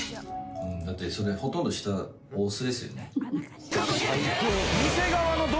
だってそれほとんど下お酢ですよね。